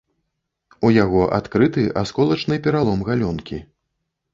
У яго адкрыты асколачны пералом галёнкі.